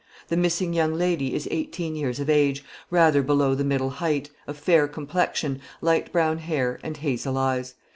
The missing young lady is eighteen years of age, rather below the middle height, of fair complexion, light brown hair, and hazel eyes.